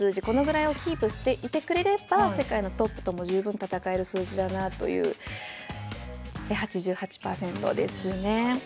このぐらいをキープしていてくれれば世界のトップとも十分戦える数字だなと８８％ですね。